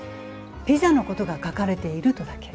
ピザのことが書かれているとだけ。